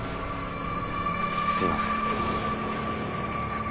すみません。